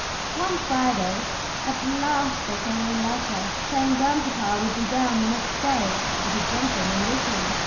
One Friday at last there came a letter, saying grandpapa would be down the next day and a gentleman with him.